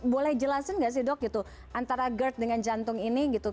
boleh jelasin nggak sih dok gitu antara gerd dengan jantung ini gitu